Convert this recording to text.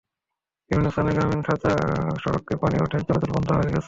বিভিন্ন স্থানে গ্রামীণ কাঁচা সড়কে পানি ওঠায় চলাচল বন্ধ হয়ে গেছে।